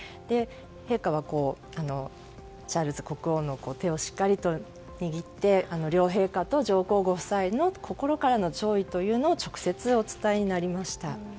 陛下はチャールズ国王の手をしっかりと握って両陛下と上皇ご夫妻の心からの弔意というのを直接、お伝えになりました。